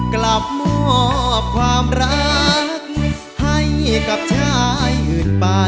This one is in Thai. กลับมอบความรักให้กับชายอื่นไป